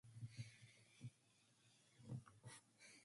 The park protects part of Brigalow Belt South bioregion.